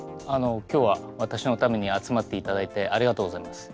今日は私のために集まっていただいてありがとうございます。